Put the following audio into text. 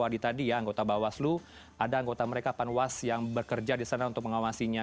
adi tadi ya anggota bawaslu ada anggota mereka panwas yang bekerja di sana untuk mengawasinya